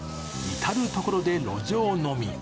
至る所で路上飲み。